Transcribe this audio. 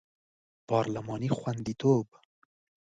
پارلماني خوندیتوب